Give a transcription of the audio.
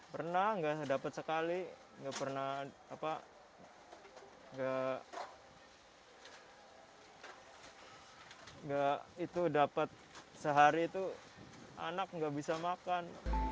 pernah nggak dapat sekali nggak pernah itu dapat sehari itu anak nggak bisa makan